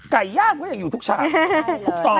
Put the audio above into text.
ไก่ย่างมันอยู่ทุกช่าง